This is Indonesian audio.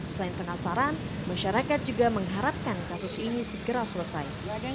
selain penasaran masyarakat juga mengharapkan kasus ini segera selesai